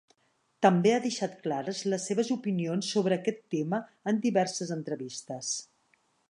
També ha deixat clares les seves opinions sobre aquest tema en diverses entrevistes.